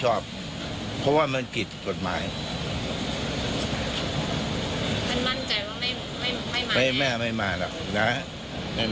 ที่บอกว่าเป็นอีกฟ้าคนที่ไม่อยากให้มีการเจ็บตั้งตรงนี้ค่ะ